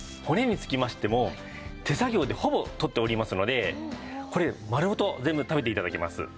骨につきましても手作業でほぼ取っておりますのでこれ丸ごと全部食べて頂けます。